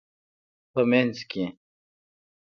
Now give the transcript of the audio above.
په مینځ کې